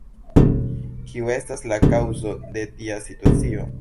Kiu estas la kaŭzo de tia situacio?